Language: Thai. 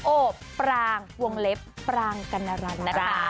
โอปรางวงเล็บปรางกัณฑรรณ